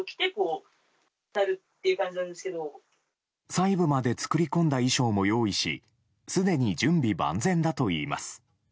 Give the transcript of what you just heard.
細部まで作り込んだ衣装も用意しすでに準備万全だといいます。